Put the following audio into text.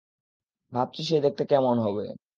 ভাবছি সে দেখতে কেমন হবে!